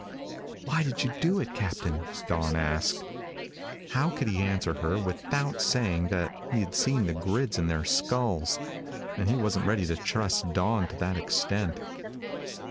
"Why did you do it, Captain?" Dawn asked. How could he answer her, without saying he had seen the grids in their skulls? And he wasn't ready to trust Dawn to that extent.